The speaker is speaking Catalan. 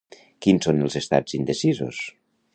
Quins són els estats indecisos?